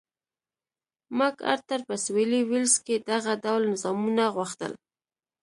مک ارتر په سوېلي ویلز کې دغه ډول نظامونه غوښتل.